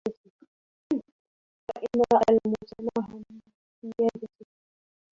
وإن رأى المتناهى من سيادته